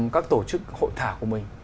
các tổ chức hội thả của mình